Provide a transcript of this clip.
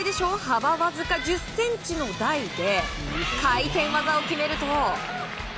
幅わずか１０ｃｍの台で回転技を決めると。